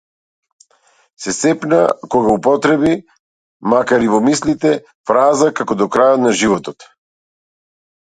Се сепна кога употреби, макар и во мислите, фраза како до крајот на животот.